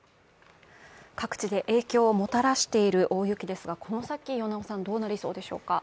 各地で影響をもたらしている大雪ですが、この先、與猶さん、どうなりそうでしょうか。